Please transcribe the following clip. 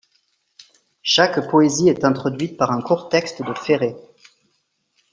Chaque poésie est introduite par un court texte de Ferré.